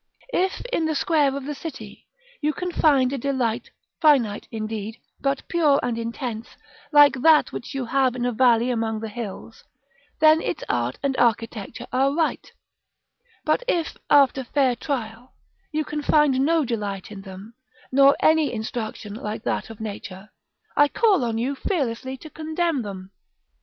If, in the square of the city, you can find a delight, finite, indeed, but pure and intense, like that which you have in a valley among the hills, then its art and architecture are right; but if, after fair trial, you can find no delight in them, nor any instruction like that of nature, I call on you fearlessly to condemn them.